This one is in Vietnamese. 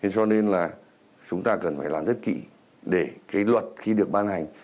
cho nên là chúng ta cần phải làm rất kỹ để cái luật khi được ban hành